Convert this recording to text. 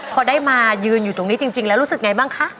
พอได้มายืนอยู่ตรงนี้จริงแล้วรู้สึกไงบ้างคะ